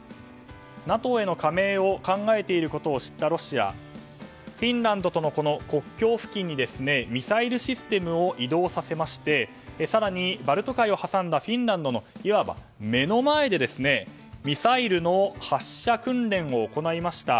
ＮＡＴＯへの加盟を考えていることを知ったロシアはフィンランドとの国境付近にミサイルシステムを移動させまして更にバルト海を挟んだフィンランドの、いわば目の前でミサイルの発射訓練を行いました。